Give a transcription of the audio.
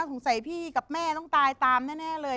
สงสัยพี่กับแม่ต้องตายตามแน่เลย